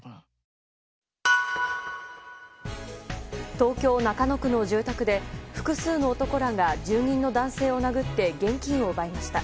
東京・中野区の住宅で複数の男らが住人の男性を殴って現金を奪いました。